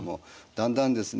だんだんですね